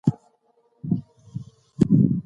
هغه یوه شکر ګذاره ښځه وه.